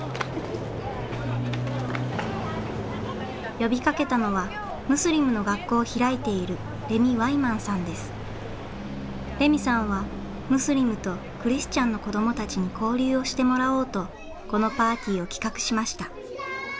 呼びかけたのはムスリムの学校を開いているレミさんはムスリムとクリスチャンの子どもたちに交流をしてもらおうとこのパーティーを企画しました。